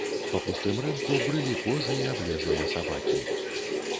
Па пустым рынку брылі козы і аблезлыя сабакі.